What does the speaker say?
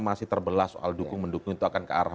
masih terbelah soal dukung mendukung itu akan ke arah